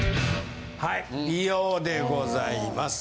はい美容でございます。